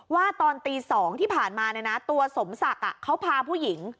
ว่าตอนตี๒ที่ผ่านมาตัวสมศักดิ์เขาพาผู้หญิง